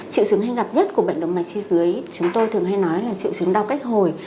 triệu chứng hay gặp nhất của bệnh động mạch chi dưới chúng tôi thường hay nói là triệu chứng đau cách hồi